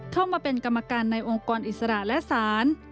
เข้ามาเป็นกรรมการในองค์กรอิสระและศาล